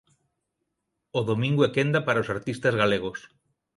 O domingo é quenda para os artistas galegos.